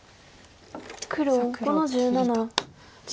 黒５の十七切り。